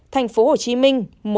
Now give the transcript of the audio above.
một thành phố hồ chí minh